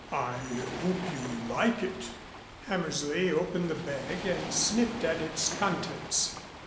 I hope you'll like it." Hammersley opened the bag and sniffed at its contents.